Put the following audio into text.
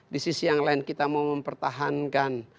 di sisi yang lain kita mau mempertahankan